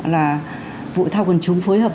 là vụ thao quần chúng phối hợp